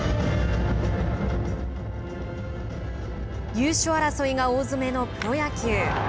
優勝争いが大詰めのプロ野球。